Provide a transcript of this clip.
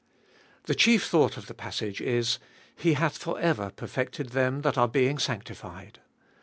The chief thought of the passage is : He hath for ever perfected them that are being sanctified.